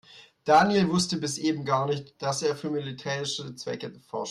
Daniel wusste bis eben gar nicht, dass er für militärische Zwecke forscht.